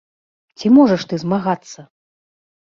Ці можаш ты змагацца?